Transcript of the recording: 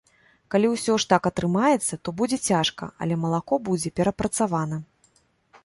Калі усё ж так атрымаецца, то будзе цяжка, але малако будзе перапрацавана.